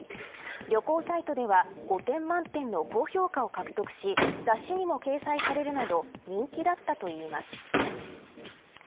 旅行サイトでは５点満点の高評価を獲得し雑誌にも掲載されるなど人気だったといいます。